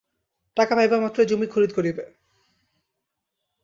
টাকা পাইবামাত্রই জমি খরিদ করিবে।